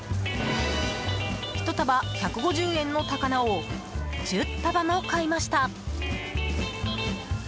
１束１５０円の高菜を１０束も買いました。